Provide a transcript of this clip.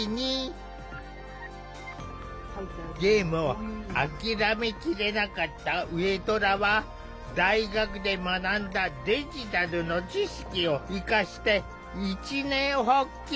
ゲームを諦めきれなかった上虎は大学で学んだデジタルの知識を生かして一念発起。